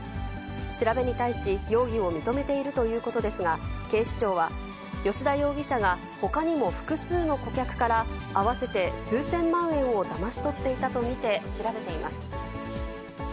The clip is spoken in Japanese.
調べに対し、容疑を認めているということですが、警視庁は、吉田容疑者がほかにも複数の顧客から合わせて数千万円をだまし取っていたと見て調べています。